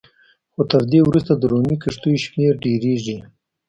خو تر دې وروسته د رومي کښتیو شمېر ډېرېږي